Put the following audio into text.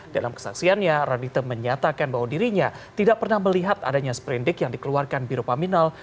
dalam kesaksiannya radite menyatakan bahwa dirinya tidak pernah melihat adanya sprindik yang dikeluarkan biro paminal